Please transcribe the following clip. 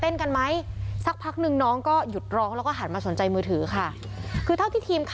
ต้องกำลังอย่าเลี่ยง